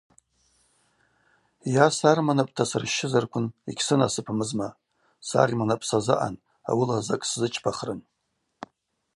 Йа сарма напӏ тасырщщызарквын йгьсынасыпмызма – сагъьманапӏ сазаъан, ауыла закӏ сзычпахрын.